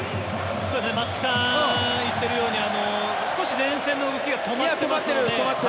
松木さんが言っているように少し前線の動きが止まっていますよね。